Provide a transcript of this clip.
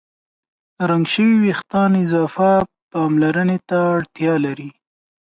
رنګ شوي وېښتيان اضافه پاملرنې ته اړتیا لري.